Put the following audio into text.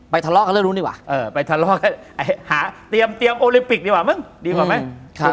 ไปทะเลาะกันเรื่องนู้นดีกว่าเออไปทะเลาะกัน